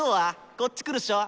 こっち来るっしょ？